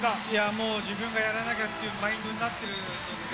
もう自分がやらなきゃっていうマインドになってる。